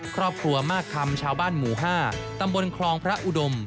ครอบครัวมากคำชาวบ้านหมู่๕ตำบลคลองพระอุดม